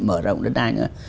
mở rộng đến nay nữa